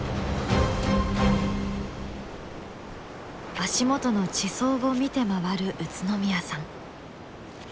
足元の地層を見て回る宇都宮さん。